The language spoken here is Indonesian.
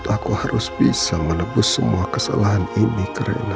aku harus bisa menebus semua kesalahan ini